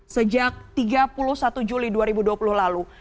sejak tiga puluh satu juli dua ribu dua puluh lalu